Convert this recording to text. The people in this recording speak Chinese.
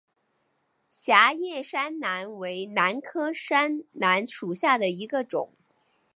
狭叶山兰为兰科山兰属下的一个种。